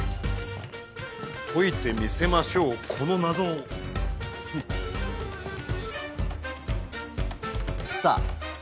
解いてみせましょうこの謎を。さぁ。